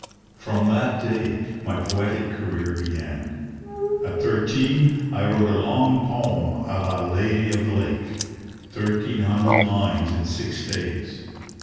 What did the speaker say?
"From that day my 'poetic career' began. At thirteen I wrote a long poem a la 'Lady of the Lake' 1300 lines in six days.